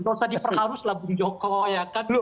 nggak usah diperharus lah bung joko ya kan